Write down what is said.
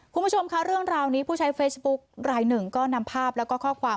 คุณผู้ชมค่ะเรื่องราวนี้ผู้ใช้เฟซบุ๊กรายหนึ่งก็นำภาพแล้วก็ข้อความ